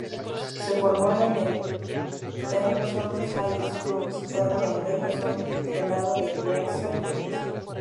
Se formó en el "Denison High School", situado en Denison, Condado de Grayson, Texas.